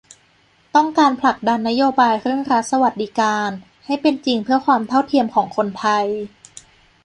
ต้องการผลักดันนโยบายเรื่องรัฐสวัสดิการ ให้เป็นจริงเพื่อความเท่าเทียมของคนไทย